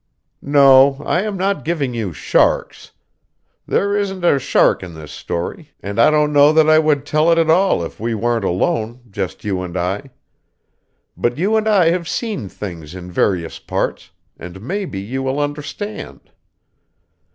No, I am not giving you "sharks." There isn't a shark in this story, and I don't know that I would tell it at all if we weren't alone, just you and I. But you and I have seen things in various parts, and maybe you will understand.